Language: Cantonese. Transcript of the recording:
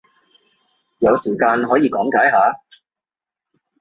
有時間可以講解下？